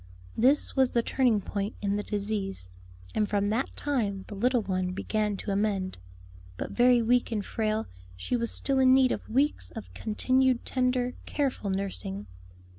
This was the turning point in the disease, and from that time the little one began to amend. But very weak and frail, she was still in need of weeks of continued tender, careful nursing.